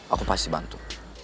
aku pasti bantu